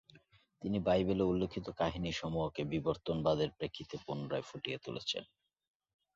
তিনি বাইবেলে উল্লেখিত কাহিনীসমূহকে বিবর্তনবাদের প্রেক্ষিতে পুনরায় ফুটিয়ে তুলেছেন।